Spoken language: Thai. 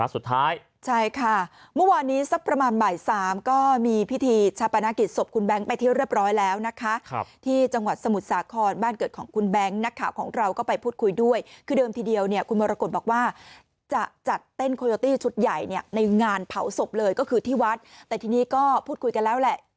สุดท้ายใช่ค่ะเมื่อวานนี้สักประมาณบ่ายสามก็มีพิธีชาปนกิจศพคุณแบงค์ไปที่เรียบร้อยแล้วนะคะที่จังหวัดสมุทรสาครบ้านเกิดของคุณแบงค์นักข่าวของเราก็ไปพูดคุยด้วยคือเดิมทีเดียวเนี่ยคุณมรกฏบอกว่าจะจัดเต้นโคโยตี้ชุดใหญ่เนี่ยในงานเผาศพเลยก็คือที่วัดแต่ทีนี้ก็พูดคุยกันแล้วแหละ